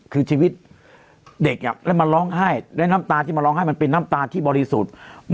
คือชีวิตเด็กแล้วมาร้องไห้และน้ำตาที่มาร้องไห้มันเป็นน้ำตาที่บริสุทธิ์